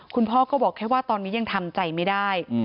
คุณพ่อก็บอกแค่ว่าตอนนี้ยังทำใจไม่ได้